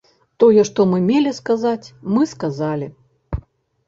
Тое, што мы мелі сказаць, мы сказалі.